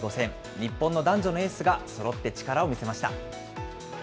日本の男女のエースがそろって力を見せました。